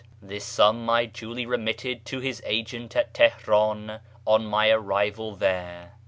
This sum I duly remitted to his agent at Teheran on my arrival there.